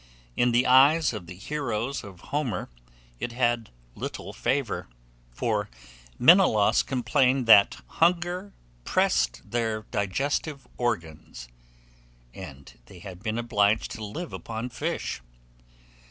In the eyes of the heroes of Homer it had little favour; for Menelaus complained that "hunger pressed their digestive organs," and they had been obliged to live upon fish.